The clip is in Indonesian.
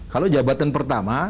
kalau jabatan pertama